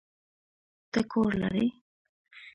ته کور لری؟